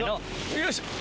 よいしょ。